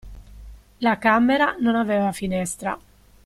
La camera non aveva finestra.